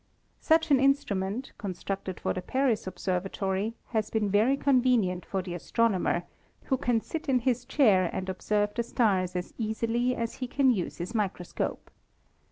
Such an instrument, constructed for the Paris Observatory, has been very convenient for the astronomer who can sit in his chair and observe the stars as easily as he can use his microscope.